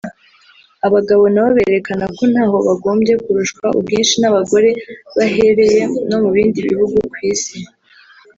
Abagabo nabo berekana ko nta ho bagombye kurushwa ubwinshi n’abagore bahereye no mu bindi bihugu ku Isi